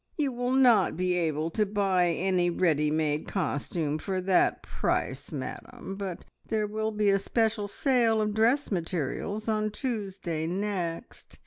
"You will not be able to buy any ready made costume for that price, madam, but there will be a special sale of dress materials on Tuesday next.